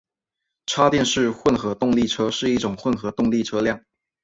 插电式混合动力车是一种混合动力车辆。